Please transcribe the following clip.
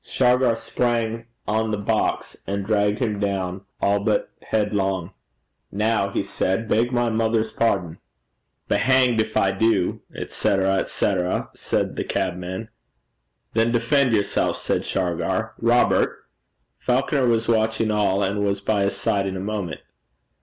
Shargar sprung on the box, and dragged him down all but headlong. 'Now,' he said, 'beg my mother's pardon.' 'Be damned if I do, &c., &c.,' said the cabman. 'Then defend yourself,' said Shargar. 'Robert.' Falconer was watching it all, and was by his side in a moment.